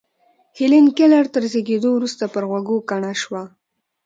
هېلېن کېلر تر زېږېدو وروسته پر غوږو کڼه شوه.